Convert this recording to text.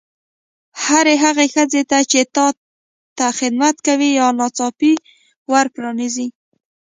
هرې هغې ښځې ته چې تا ته خدمت کوي یا ناڅاپي ور پرانیزي.